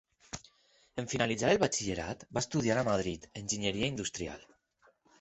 En finalitzar el batxillerat, va estudiar a Madrid enginyeria industrial.